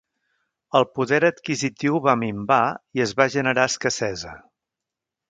El poder adquisitiu va minvar i es va generar escassesa.